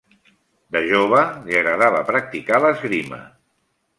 De jove, li agradava practicar esgrima.